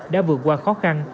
đã vượt qua khó khăn